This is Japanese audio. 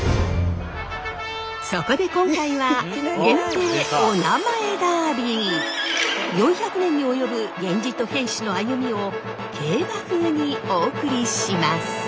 そこで今回は４００年に及ぶ源氏と平氏の歩みを競馬ふうにお送りします！